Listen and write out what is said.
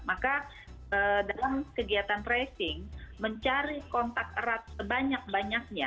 maka dalam kegiatan tracing mencari kontak erat sebanyak banyaknya